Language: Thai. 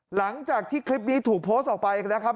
หลังจากที่คลิปนี้ถูกโพสต์ออกไปนะครับ